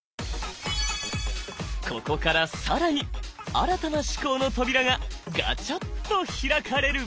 ここから更に新たな思考の扉がガチャッと開かれる！